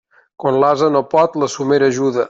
Quan l'ase no pot, la somera ajuda.